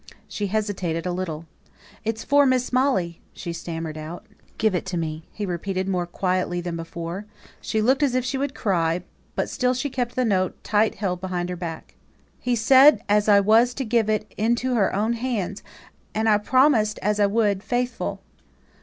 She hesitated a little. "It's for Miss Molly," she stammered out. "Give it to me!" he repeated more quickly than before. She looked as if she would cry; but still she kept the note tight held behind her back. "He said as I was to give it into her own hands; and I promised as I would, faithful."